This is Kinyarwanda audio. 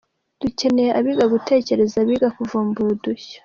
Dukeneye abiga gutekereza, abiga kuvumbura udushya.